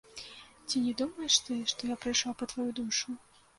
Ці не думаеш ты, што я прыйшоў па тваю душу?